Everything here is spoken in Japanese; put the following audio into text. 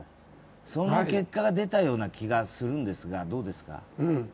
その結果が出たような気がするんですが、どうですか？